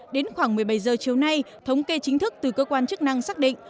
đến khoảng một mươi bảy h chiều nay thống kê chính thức từ cơ quan chức năng xác định